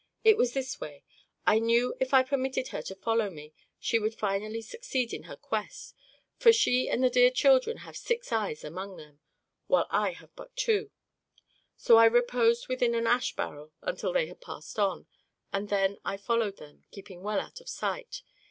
It was this way: I knew if I permitted her to follow me she would finally succeed in her quest, for she and the dear children have six eyes among them, while I have but two; so I reposed within an ash barrel until they had passed on, and then I followed them, keeping well out of their sight.